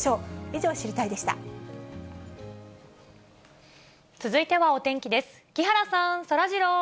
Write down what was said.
以上、続いてはお天気です。